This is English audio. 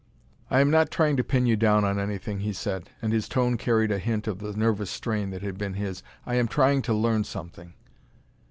"I am not trying to pin you down on anything," he said, and his tone carried a hint of the nervous strain that had been his. "I am trying to learn something."